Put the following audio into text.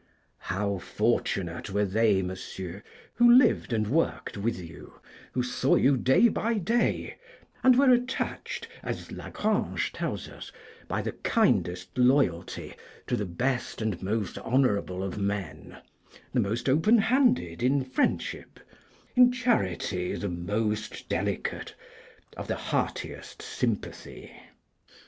How fortunate were they, Monsieur, who lived and worked with you, who saw you day by day, who were attached, as Lagrange tells us, by the kindest loyalty to the best and most honourable of men, the most open handed in friendship, in charity the most delicate, of the heartiest sympathy!